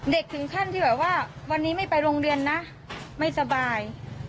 ถึงขั้นที่แบบว่าวันนี้ไม่ไปโรงเรียนนะไม่สบาย